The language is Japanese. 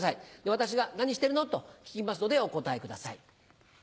私が「何してるの？」と聞きますのでお答えください。